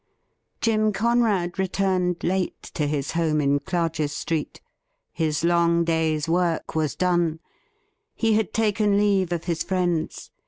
JjM CoNEAD returned late to his home in Clarges Street. His long day's work was done. He had taken leave of his friends.